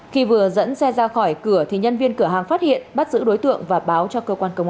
khi vừa dẫn xe ra khỏi cửa thì nhân viên cửa hàng phát hiện bắt giữ đối tượng và báo cho cơ quan công an